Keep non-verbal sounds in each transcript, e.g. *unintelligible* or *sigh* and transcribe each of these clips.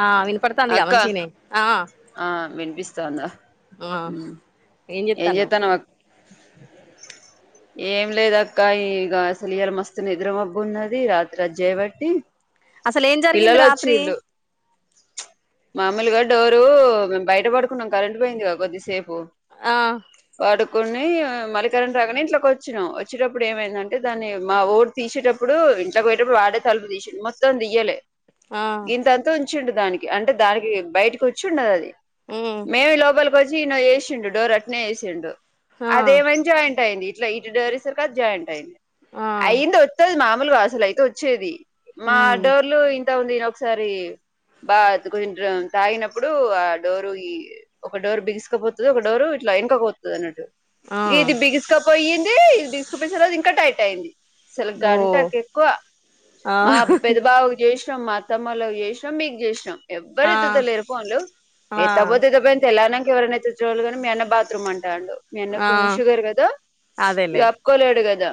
ఆ వినపడతాంది గా అక్క మంచిగనే ఆ ఆ ఆ ఏం చెత్తన్నావ్ ఏంజెత్తాన్నవ్ అక్ ఏం లేదక్క ఇక అసలు ఈల మస్తు నిద్రమబ్బు ఉన్నది రాత్రి అది జేయబట్టి అసలు ఏం జరిగింది రాత్రి మామూలుగా డోరు మేము బయట పడుకున్నాం కరెంట్ పోయిందిగా కొద్దిసేపు పు ఆ పడు కొన్ని మల్లి కరెంట్ రాగానే ఇంట్లోకొచ్చినాం వచ్చేటప్పుడు ఏమైందంటే దాన్ని మా ఓడు తీసేటప్పుడు ఇంట్లో పోయటప్పుడు వాడే తలుపు తీసింది మొత్తం తీయలే ఆ గింతంతా ఉంచిండు దానికి అంటే దానికి బయటకి వచ్చుండదు అది ఉమ్ మేమి లోపలికి వచ్చి ఇన ఏసిండు డోర్ అట్నే ఏసిండు ఆ అదేమని జాయింట్ అయింది ఇట్లా ఇటు డోర్ ఇసరిక అది జాయింట్ అయింది. ఆ అయింది వత్తది మామొ మాలుగా అసలు అయితే వచ్చేది మా ఉమ్ డోర్లు ఇంత ఉందిని ఒకసారి బా అది కొంచెం తాగినప్పుడు ఆ డోరు ఈ ఒక డోర్ బిగిసుకపోతది ఒక డోర్ ఇట్లా ఎనుకకు పోతది అన్నట్టు ఆ ఇది బిగిసుకపోయింది ఇది బిగిసికపికరాదు ఇంకా టైట్ అయింది అసలు ఓ గంటకి ఎక్కువ ఆ మా పెద్దబావకి చేసి మా అత్తమ్మొళ్లకి చేసినాం మీకి చేసినా ఎవ్వరు ఆ ఎత్తుతలేరు ఫోన్లు ఆ ఎత్తకపోతే ఎత్తకపోయింది తెల్లారినంక ఎవరైనా ఎత్తేచోళ్లు కానీ మీ అన్న బాత్రూమ్ అంటాండు మీ అన్న ఆ కొంచెం షుగర్ కదా ఇగ అదేలే ఆప్పుకోలేడు కదా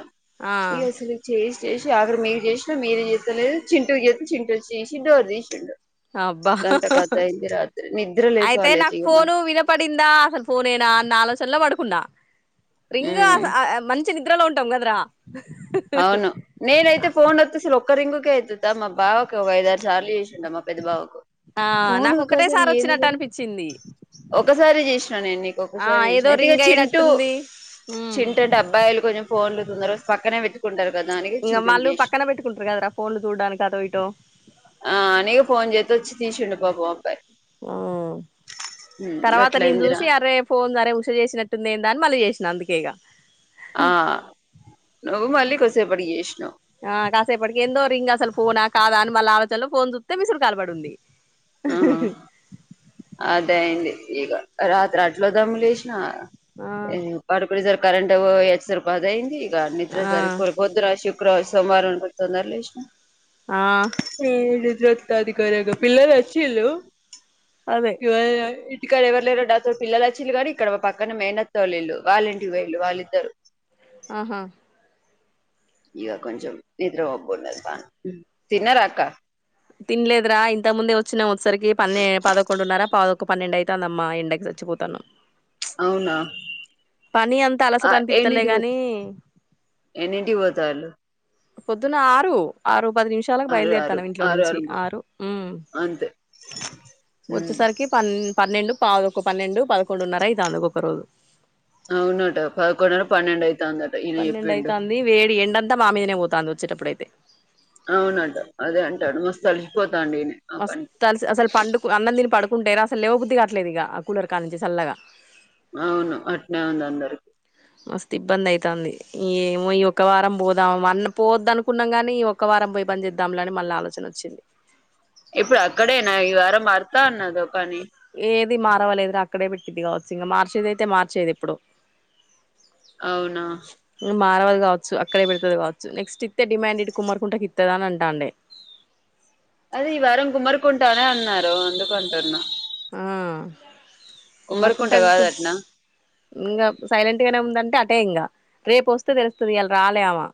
ఆ ఇ అసలు చేసి చేసి అక్కడ మీకు చేసినా మీరే చేస్తలేదు చింటుకి చేస్త చింటు ఒచేసి డోర్ తీసిండు అబ్బా గంత కథ అయింది రాత్రి నిద్ర లేదు అయితే కాలేజ్ నాకు ఇగ మాకు ఫోను వినపడిందా అసలు ఫోన్ ఏనా అన్న ఆలోచనల పడుకున్నా రింగ్ ఉమ్ అస్ ఆ మంచి నిద్రలో ఉంటాం కదరా అవును నేనైతే ఫోన్ అత్త సల్ ఒక్క రింగకే ఏ తుతా మా భావ ఒక ఐదు ఆరు సార్లు చేసి నిన్న మా పెద్ద బావకు ఆ ఫోన్ నాకు ఒకాసారీ ఒకటేసారి ఎందుకు వచ్చినట్టు అనిపించింది ఒకసారి చేసినా నేను నీకు ఆ ఒకసారి ఏదో చేసిన ఐతే ఇగ రింగ్ చింటూ అయినట్టుంది ఉమ్ చింట డబ్బాయిలు నేన్ ఫోన్లు తొందర పక్కనే పెట్ కదానికె ఇంగ చింటు కు వాళ్ళు చేస్ పక్కన పెట్టుకుంటారు కదరా ఫోన్లు చూడ్డానికి అటో ఇటో ఆ అనే ఇగ ఫోన్ చేసి వచ్చి తీశిండు పాపం ఆ అబ్బాయి ఆ ఉమ్, తర్వాత నేను గట్లయిందిరా చూసి అరే ఫోన్ సరే ఉష్ చేసినట్టుంద ఏంద అని మళ్ళీ చేసినా అందుకే ఇగ ఆ నువ్వు మళ్ళీ కొసేపటికి చేసినవ్ ఆ కాసేపటికి ఎందో రింగ్ అసలు ఫోనా కాదా అని మళ్ళ ఆలోచనలో ఫోన్ చూతే మిసుడు కాల్పడి ఉంది *inaudible* *inaudible* అదయింది ఇక రాత్రి అట్ల దమ్ము లెసినా ఆ పడుకుడి సరి కరెంట్ ఒయచ్చేసరికి పదయింది ఇగ నిద్ర ఆ సరిపోలే కొద్దు రాసి క్ర సోమవారం రోజు తొందర లెసిన ఆ జతది కరకొ పిల్లలు వచిల్లు అదే *unintelligible* ఇక్కడ ఎవరు లేరు డాతో పిల్లలు వచ్చిళ కానీ ఇక్కడ పక్కన మేనత్తతోలిల్లు వాలింటికి వెళ్లిళ్లు వాళ్ళిద్దరు ఆహా ఇక కొంచం నిద్రమబ్బునది మా తిన్నరా అక్క తినలేదురా ఇంత ముందే వచ్చిన ఒచే సరికి పన్నే పదకొండున్నరా పావుద్ ఒక పన్నెండు ఐతదమ్మా ఎండకి సచ్చిపోతానం అవునా పని అంతా ఆ అలసట అనిపిస్తలే ఎన్నింటికి పో గాని ఎన్నింటికి పోతాళ్ళు పొద్దున ఆరు ఆరు పది నిమిషాలకు ఆరు ఆరు బయలుదేరుతన్నం ఇంట్లో ఆరు నుంచి ఆరు అంతే ఉమ్ వచ్చేసరికి పన్ పన్నెండు పావుదక్క పన్నెండు పదకొండు నర అయితాంది ఒకొక రోజు అవునట పదకొన్నర పనేండు ఐ పన్నెండు ఐతంది వేడి ఎండంతా మా మీదనే పోతంది వచ్చేటప్పుడు ఐతే అవునట అదే అంటాడు మస్తు అలిసిపోత మస్త్ అలిసి అసలు అన్నం తిని పండు అన్నందిని పడు కుంటేరా అసలు లేవ బద్ది కాట్లేదు ఇక ఆ కూలర్ కా నుంచి చల్లగా అవును అట్నే ఉంది అందరు మస్తు ఇబ్బంది ఐతంది ఏమో ఈ ఒక వారం పోదాం అన్న పోవద్దు అనుకున్నాం గానీ ఈ ఒక్క వారం పోయి బన్ చేద్దాం లె అని మళ్ళీ ఆలోచన వచ్చింది ఇప్పుడు అక్కడేనా ఈ వారం మారతా అన్నదో కనీ ది మారవాలేదురా అక్కడే పెట్టింది కావచ్చు ఇంక మార్చేది అయితే మార్చేది ఎప్పుడో అవునా మారవదు కావచ్చు అక్కడే పెడుతది కావచ్చు నెక్స్ట్ ఇతే డిమాండ్ ఇట్ కుమ్మరుకుంటకి ఇత్తద అని అంటాండే అదే ఈ వారం గుమ్మరుకుంటా అనే అన్నారు అందుకు అంటున్నా ఆ కుమ్మరుకుంట కుమ్మరికుంటకు కాదట్నా ఇంగ సైలెంట్ గనే ఉందంటే అ టే ఇంగా రేపు ఒస్తే దెలుస్తది ఇయాల రాలే ఆమా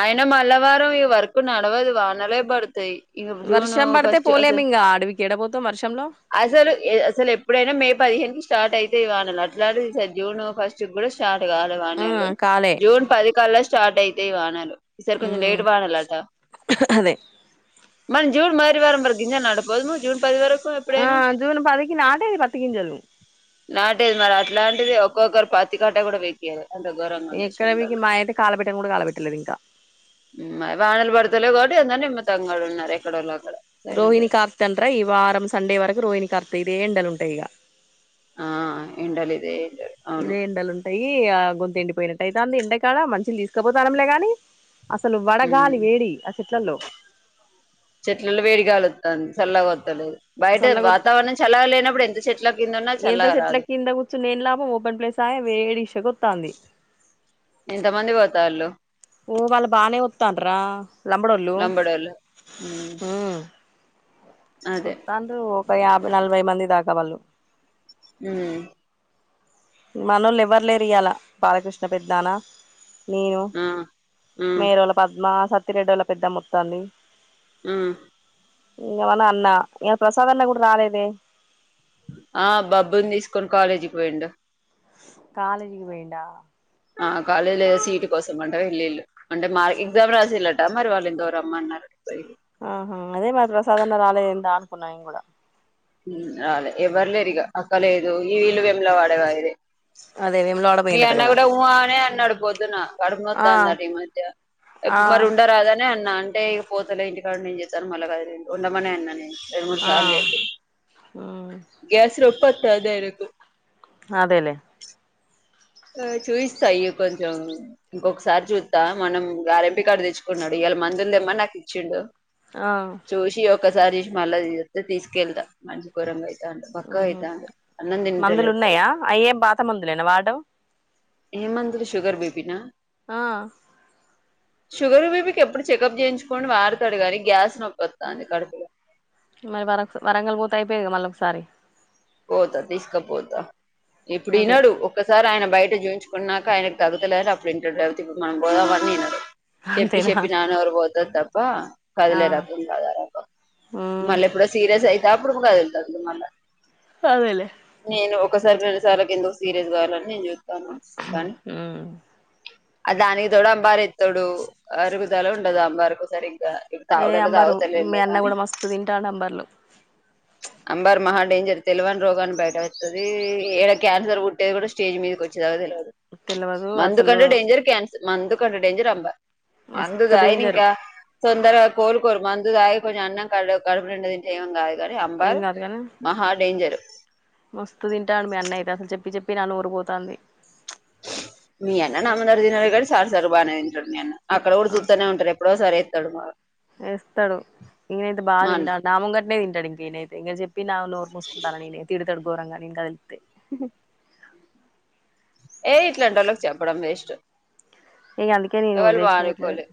అయన మల్ల వారం ఈ వర్క్ నడవదు వానలే బడు తై ఇంగ జూను ఫస్ట్స్ అసల్ ఎడబోతవ్ మర్శ్ అసలు ఎ అసలు ఎప్పుడైనా మే పదిహేను స్టార్ట్ అయితయ్ వానలు అట్లాంటిది ఇగ జూన్ ఫస్ట్ గూడా స్టార్ట్ తెగాలె ఆ వానలు కాలే జూన్ పది కల్ల స్టార్ట్ అయితయ్ వానలు ఇ సారి కొంజె మ్మ్ లేట్ బడాలట అదే మన్ జూన్ మరి వారం వర గింజ నడపోదుము జూన్ పది వారం ఆ జూన్ పదికి నాటేది పత్తి గింజలు నాటేది మరి అట్లాంటిది ఒక్కొక్కరు పత్తి కట్ట గూడ వెట్టిరు అంత గోరంగ ఉంది ఎక్కడవికి శేన్లల్ల మా అయితే కాలబెట్టను కూడా కాలబెట్టలేదు ఇంకా ఊమ్ వానలు బడుతులే గా తేనా నిమ్మతంగరు ఉన్నారు ఎక్కడోల్లా రోహిణి కార్తె అంటరా ఈ వారం సండే వరకు రోహిణి కార్తె ఇదే ఎండలు ఉంటయ్ ఇగ ఆ ఎండల్ ఇదే ఎండలు అవును ఇదే ఎండలు ఉంటయ్ దీ ఆ గొంతు ఎండిపోయినట్టైతాంది ఎండక్ ఆడ మంచీళ్ దీసుకపోతానంలే గాని అసలు ఉమ్ వడగాలి వేడి అ చెట్లల్లో చల్ల గొత్తలేదు బయట వాతావరణం చల్లగ లేనప్పుడు ఎంత చెట్ ఎంత చెట్ల కింద కూర్చున్న ఏం లాభం ఓపెన్ ప్లేస్ ఆయే వేడి శెగ ఒత్తాంది ఎంత మంది వోతాళ్ళు ఓ వాళ్ళు బానే ఒత్తాండ్రా లంబడోళ్ల్ళు లంబడోళ్ళు ఉమ్ హూ అదే ఒత్తాండ్రు ఒక యాభై నలభై మంది దాకా వాళ్ళు ఊ మనోళ్లు ఎవ్వర్ లేరు ఇయాల బాలకృష్ణ పెద్నానా నేను ఆ ఉమ్ మేరోళ్ళ పద్మ సత్తిరెడ్డోళ్ళ పెద్దమ్మ ఒత్తాంది ఉ ఇగ మన అన్నా యే ప్రసాద్ అన్న గూడ రాలేదే ఆ బబ్బున్ తీసుకొని కాలేజీక్ వోయిండు కాలేజీకి పోయిండా ఆ కాలేజ్లో ఏ సీటు కోసం అంట వెళ్ళిళ్ళు, అంటే మాదె ఎగ్జామ్ రాసిళ్ళట మరి వాళ్ళేందో రమ్మన్నారు పోయిరు. ఆహా అదే మా ప్రసాద్ అన్న రాలే ఏంటా అనుకున్న నేన్ గూడా ఊ ఆలే ఎవ్వర్ లేరు ఇగ అక్క లేదు ఈల్లు వేములా వాడేవా ఇది అదే వేములవాడ మీ పోయిండట అన్న కదా గూడా ఉ అ అనే అన్ అన్నాడు పొద్దున కడుపు ఆ నొత్తాందట ఈ మధ్య ఆ ఇపు మరి ఉండరాదనే అన్నా అన్ అంటే ఇగ పోతలే ఇంటి కాడ నేన్ జేత్తాను మళ్ళ *unintelligible* ఉండమనే అన్నా నేను రెండు మూడు సార్లు చెప్పిన్ ఊ చెప్పొచ్చా అన్ని ఆయనకు అదేలే ఆ చూయిస్తా ఇగ కొంచెం ఇంకొకసారి చూత్తా మనం గార్ ఎం పి కాడ దెచ్చుకున్నడు ఇగ ఇయలా మందుల్ దెమ్మన్ నాకు ఇచ్చిండు ఆ చూసి ఒకసారి చూస్ మళ్ళా *unintelligible* తీసుకెళ్త మన్షి గోరంగ అయ్ ఆండ్ బక్కగ ఉహు అయితాండు అన్నం మందులు దింటలేడు సరి ఉన్నాయా అయ్యేం పాత మందులేనా వాడడం ఏ మందులు షుగర్ బే పీ నా ఆ షుగర్, బిపికి ఎప్పుడు చెకప్ చేయించుకోని వాడుతాడు కానీ, గ్యాస్ నొక్కొస్తాంది కడుపులో మరి వరంగల్ పోతే అయిపోయా గదా మళ్ళీ ఒకసారి పోతా తీసుకపోతా ఇప్పుడు అదే వినడు ఒక్కసారి ఆయన బయట చూయించుకున్నాక ఆయనకు తగ్గుతాలేదు అప్పుడు ఇంటాడు లేకపోతే మనం పోదామన్నా వినరు. చెప్పి అంతేనా చెప్పి నా. నోరు పోతాది తప్ప ఆ కదిలే రకం కాదు ఆ రకం ఉమ్ మళ్ళా ఎప్పుడో సీరియస్ అయితా అప్పుడు కదులుతాడు మళ్ళా. అదేలే నేను ఒకసారి రండు సార్ల్ కి ఎందుకు సీరియస్ కావాలని నేను చూస్తున్నా. మ్ ఆ దానికి తోడు అంబారు ఎత్త్తడు అరుగుదల ఉండదు అంబార్ కు సరిగ ఇప్పుడు ఏ తాగుడు అయితే అంబరు తాగుతా మీ లేడు అన్న కానీ కూడా మస్తు తింటాండు అంబర్లు అంబార్ మహాడేంజర్. తెలివని రోగాన్ని బయటకు పెడతాది. ఏడ క్యాన్సర్ పుట్టేది కూడా స్టేజ్ మీదకి వచ్చేదాక తెల్వదు. తెలవదు మందు అసలు కంటే డేంజర్ క్యాన్సర్. మందు కంటే డేంజర్ అబ్బా మందు మస్తు తాగడు ఇంక డేంజరు తొందర కోల్ కోరు మందు తాగి కొంచెం అన్నం కడుపు నిండా అన్నం తింటే ఏం కాదు. ఏం అంబారు కాదు కానీ మహా డేంజర్ మస్తు తింటాడు మీ అన్న అయితే. అసలు చెప్పి చెప్పి నా నోరు పోతాంది మీ అన్న నాముందర తినరు గాని సార్ సారు బానే నేను అక్కడ కూడా చూస్తూనే ఉంటారు. ఎప్పుడో ఒకసారి ఎస్తానేఉంటాడు. ఏస్తాడు ఈనైతే బాగా మా అన్న తింటాడు. నాముంగటనే తింటాడు. ఇంకనైతే ఇంక చెప్ నా నోరు మూసుకుంటాను అని నన్నే తిడతాడు ఘోరంగా. ఇంక అంతే ఏయ్ ఇట్లాంట వాళ్ళకి చెప్పడం వేస్ట్. ఇంక అందుకే నేను ఎవళ్ళు వదిలేసినా మానుకోలే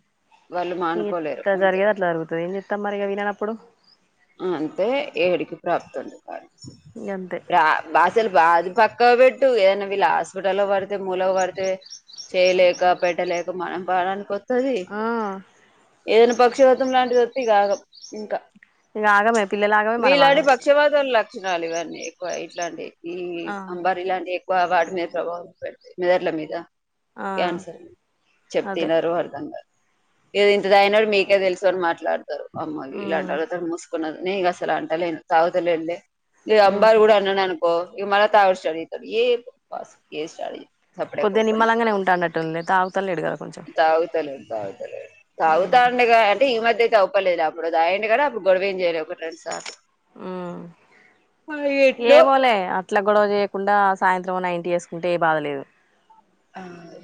వాళ్ళు మానుకోలేరు ఎట్ల అంతే జరిగేది అట్లా జరుగుతుంది ఏం చేస్తాం మరి ఇక విననప్పుడు. అంతే ఏడుకి ప్రాప్తాది. కాదు ఇగ అంతే భాషలు బాధ పక్క కొవిడ్ ఏ వీళ్ళు హాస్పిటల్ పడితే మూల కు పడితే చేయలేక పెట్టలేక మన ప్రాణానికి వస్తాది ఆ ఏదన్నా పక్షిపాతం లాంటిది వత్తే ఆగం ఇంకా ఇక ఆగమే పిల్లలు ఆగమే మనం వీల్లాంటి ఆగమే అయితాం పక్షపాతం లా లక్షణాలు ఇవన్నీ ఎక్కువ ఇట్లాంటి ఈ ఆ అంబారి లాంటివి ఎక్కువ. బాగా వాటి మీద ప్రభావం పెడతాయి. మెదళ్ల మీద ఆ క్యాన్సర్. చెప్తే అదే వినరు అర్ధంగాదు ఏ ఇంత తాగినోడు మీకేం తెలుసు అని మాట్లాడతారు. అమ్మా ఇలాంటి ఉమ్ వాళ్లతో తీసుకున్నాను నీ అసలు అంటలేను తగుతాలేదు లే. ఉమ్ అంబారు కూడా అన్నాను నేను పో మళ్ళా తాగొచ్చినాడు ఏ స్టార్ట్ చేసినాడు. కొద్దిగా నిమ్మలంగానే ఉంటున్నట్లు తాగుతాలేడు గదా తాగుతాలేడు తాగుతాండే వాడుగాని అంటే ఈ మధ్య తాగుతాలేదు అప్పుడు తాగిండు కదా అప్పుడు గోదావెం చేయలేదు. ఒకటి రెండు సార్లు ఎట్లో ఏమోలే అట్లా గొడవ చేయకుండా సాయంత్రం ఓ నైన్ టీ వేసుకుంటే ఏ బాధలేదు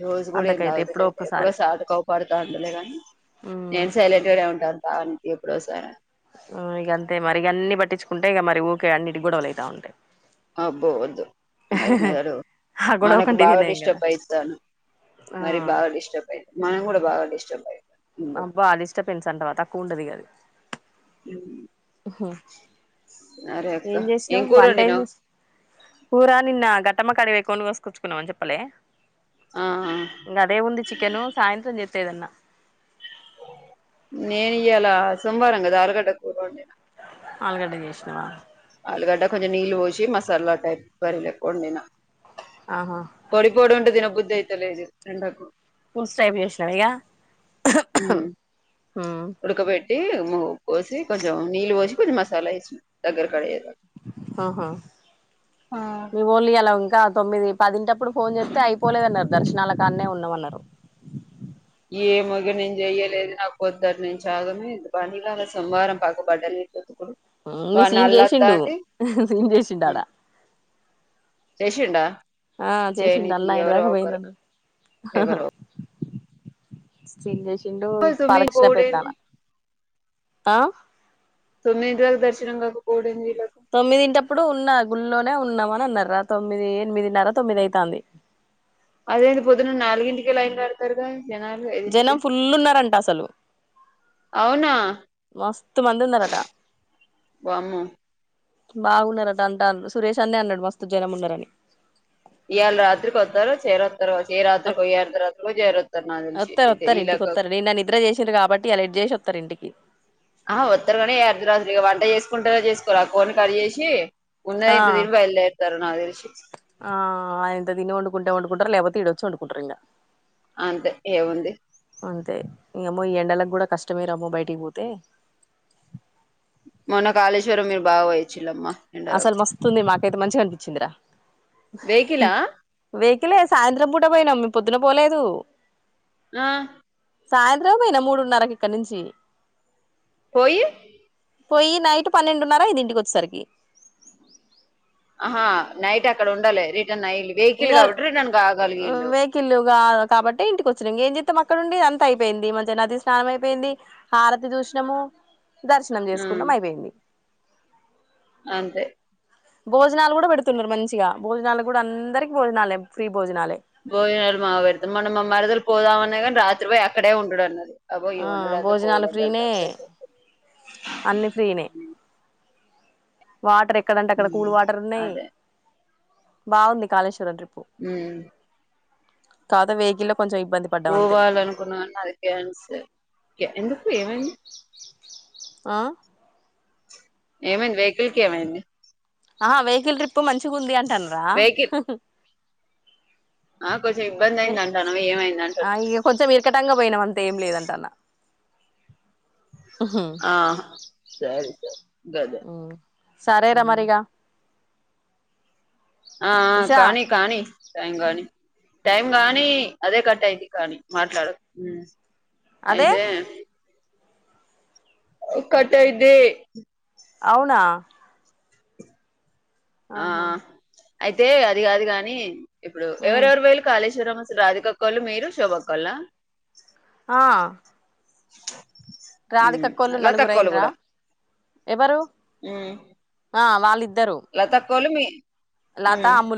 రోజు కూడా ఏం అంతకైతే తగుతాలేదు ఎప్పుడో ఒక్కసారి సాధకు ఒకసారి తాగుతాడు కాని ఉమ్ నేను సైలెంట్ గానే ఉంటాను బావ ఎప్పుడోకసారి ఇక అంతే మరి ఇక అన్ని పట్టించుకుంటే ఇక మరి ఊకే అన్నింటికి గొడవలు అవుతా ఉంటాయి అబ్బో వద్దు మరి మెదడు ఆ గొడవ మనకు కంటే ఇదే బాగా నయం కదా డిస్టర్బ్ అయితారు ఆ మరి బాగా డిస్టర్బ్ అయ్యిద్ది మనం కూడా బాగా డిస్టర్బ్ అయ్యిద్ది. అబ్బా డిస్ట్రాబెన్స్ అంటవా తక్కువ ఉంటాద అది హ సరే అక్క ఏం చేసినవు కూర వంట ఏం వండినావ్ చేసినవ్ కూరా నిన్న గట్ అత్తమ్మ కాడికి పొయ్ కోడిని కోసుకొచ్చుకున్నామని చెప్పలే ఆ ఇంకా అదే ఉంది చికెన్ సాయంత్రం చే స్తేదన్నా నేను ఇయ్యాల సోమవారం కదా ఆలుగడ్డ కూర వండిన ఆలుగడ్డ చేసినవా ఆలుగడ్డ కొంచెం నీళ్ళు పోసి మసాలా టైప్ కూర లెక్క వండిన ఆహా పొడిపోడి ఉంటే తినబుద్ధి అయితలేదు ఎండకు పులుసు టైపు చేసినావా ఇగ హమ్ ఉమ్ ఉడక పెట్టి పోసి కొంచెం నీళ్ళు పోసి కొంచెం మసాలా వేసి దగ్గర కడయే హా హా ఓన్లీ అలా ఉంటారు తొమ్మిది పదింటప్పుడు ఫోన్ చేస్తే అయిపోలేదన్నారు దర్శనాల కానే ఉన్నామన్నారు ఏమోఇగ నేను చెయ్యలేదు నాకు పొద్దుట నుంచి ఆగమే పనిలాగా సోమవారం పక్కబడ్డని సీన్ చేసిండు సీన్ చేసిండు ఆడ చేసిండా ఆ చేసిండు చేయనీకి ఎవరో అల్లాయడదాక ఒకరు పోయిర్రన్నడు హ హ ఎవరో స్టిల్ చూసి ఇండో ఇటు తొమ్మిది పాలక్షణ పోవుడేంది పెద్దామె ఆ తొమ్మిదింటి వరకు దర్శనం కాకపోవుడేంది వీళ్ళకు తొమ్మిదింటప్పుడు ఉన్న గుళ్లోనే ఉన్నామని అన్నరా తొమ్మిది ఎనిమిదిన్నరా తొమ్మిది అయితాంది *inaudible* అదేంది పొద్దున్న నాలుగింటికె లైన్ కడతారుగ జనం ఫుల్ ఉన్నరంటా అసలు అవునా మస్తు మంది ఉన్నరట వామ్మో బాగున్నరట అట అంటార్రు సురేష్ అన్నే అన్నడు మస్తు జనం ఉన్నారని ఇయాళ రాత్రికి వస్తారు చేర తరువాతి ఏ రాత్రి కో ఏ అర్థరాత్రి కో జేరుత్తరు నాకు వత్తరు తెలసి వత్తరు ఇంటికి ఈలెక్క వత్తరు నిన్న నిద్ర చేసిండ్రు కాబట్టి ఇయాల ఎటు చేసి వత్తరు ఇంటికి ఆహ వత్తరు కానీ ఏ అర్ధరాత్రి ఇక వంట చేసుకుంటరో చేసుకోరో ఆ కోడిని కట్ చేసి ఆ ఉన్నయంత తిని బయలు దేరుతారు నాకు తెలిసి ఆ ఇంత తిని వండుకుంటే వండుకుంటరూ లేకపోతే ఈడ వచ్చి వండుకుంటారు ఇంగ అంతే ఏముంది అంతే ఏ ఏమో ఈ ఎండలకు కూడా కష్టమేరా అమ్మో బయటికి పోతే మొన్న కాళేశ్వరం మీ బావ పోయి వచ్చిరు అమ్మా అసలు మస్తుంది మాకైతే మంచిగా అనిపించిందిరా వెహికిలా లే సాయంత్రం పూట పోయినాం మేం పొద్దున పోలేదు ఆ సాయంత్రం పోయినా మూడున్నరకి ఇక్కడ నుంచి పొయ్యి పొయ్యి నైట్ పన్నెండున్నర అయింది ఇంటికి వచ్చేసరికి ఆ నైట్ అక్కడ ఉండలే రిటర్న్ అయ్యిళ్ళు వెహికల్ ఇంకా కాబట్టి రిటర్న్ కాగలిగి ఇళ్ళు వెహికల్ కాబట్టి ఇంటికి వచ్చిన ఇంక ఏం చే మొత్తం అక్కడ ఉండి అంతా అయిపోయింది మంచిగా నది స్నానం అయిపోయింది హారతి చూసినము దర్శనం ఉమ్ చేసుకున్నాం అయిపోయింది అంతే భోజనాలు కూడా పెడుతున్నారు మంచిగా భోజనాలు కూడా అందరికి భోజనాలే ఫ్రీ భోజనాలే భోజనాలు మాగా పెడుత మొన్న మా మరదలు పోదామన్నాది కానీ రాత్రి పోయి అక్కడే ఉండుడు అన్నది అబ్బో ఈ ఆ ఉండడం అని భోజనాలు ఫ్రీనే సప్పుడేకా ఊకున్నా అన్ని ఫ్రీనే వాటర్ ఏ ఎక్కడంటే అక్కడ కూల్ వాటర్ ఉన్నాయి అదే బాగుంది కాలేశ్వరం ట్రిప్పు ఉమ్ కాదా వేకిల్ పోవాలనుకున్నాను అది క్యాన్సిల్ ఎందుకు ఏమైంది ఆ ఏమైంది వెహికల్కి ఏమైంది ఆ వెహికల్ ట్రిప్పు మంచిగా ఉంది అంటానరా వెహికల్ ఆ కొంచెం ఇబ్బంది అయింది అంటానవు ఏమైంది ఆ అంటున్నా ఇగ కొంచెం ఇరకటంగా పోయినాం అంతా ఏం లేదంటానా ఆ సరే స సరేరా మరిగా ఆ ఉషా కానీ కానీ టైం కానీ టైం కానీ అదే కట్ అయ్యిద్ది కానీ మాట్లాడు అదే అయితే కట్ అయ్యిద్ది అవునా ఆ ఆహా అయితే అది కాదు గాని ఇప్పుడు ఎవరెవరు పోయిర్రు కాలేశ్వ రాధికక్క ఒళ్ళు మీరు శోభక్క ఒళ్ల ఆ *inaudible* రాధికక్కోళ్ళు లతక్కోళ్ళు నలుగురైన్రా కూడా ఎవరు ఉమ్ ఆ వాళ్ళిద్దరు గోలు మీ లత ఉమ్. అమ్ములు